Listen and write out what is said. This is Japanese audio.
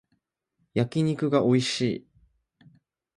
焼き肉がおいしい